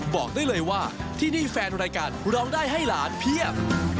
บอกได้เลยว่าที่นี่แฟนรายการร้องได้ให้หลานเพียบ